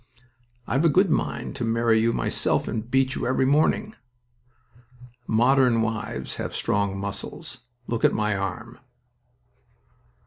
"I've a good mind to marry you myself and beat you every morning." "Modern wives have strong muscles. Look at my arm!"